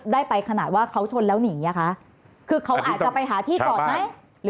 ได้ไปขนาดว่าเขาชนแล้วหนีอ่ะคะคือเขาอาจจะไปหาที่จอดไหม